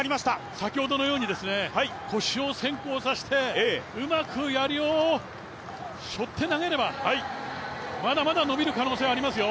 先ほどのように腰を先行させてうまく、やりを背負って投げればまだまだ伸びる可能性はありますよ！